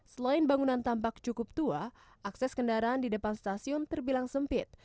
selain bangunan tampak cukup tua akses kendaraan di depan stasiun terbilang sempit